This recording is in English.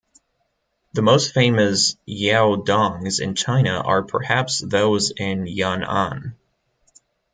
The most famous yaodongs in China are perhaps those in Yan'an.